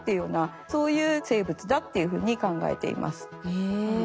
へえ。